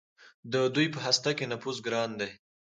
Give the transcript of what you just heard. د دوی په هسته کې نفوذ ګران دی.